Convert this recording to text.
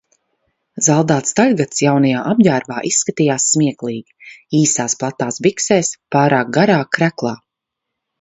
Zaldāts Taļgats jaunajā apģērbā izskatījās smieklīgi: īsās, platās biksēs, pārāk garā kreklā.